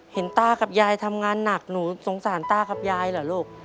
ตากับยายทำงานหนักหนูสงสารตากับยายเหรอลูก